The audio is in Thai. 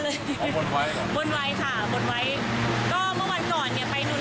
ก็เมื่อวันก่อนเนี่ยไปนุรทัพริก็ฝากพระเจ้าตาซิมก็ยังอธิษฐานเหมือนเดิมนะ